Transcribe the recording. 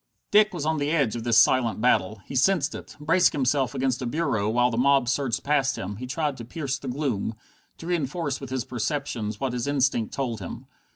Dick was on the edge of this silent battle. He sensed it. Bracing himself against a bureau, while the mob surged past him, he tried to pierce the gloom, to reinforce with his perceptions what his instinct told him.